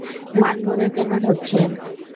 মান্নুরে কেন ধরছেন?